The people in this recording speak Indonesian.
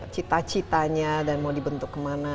cita citanya dan mau dibentuk kemana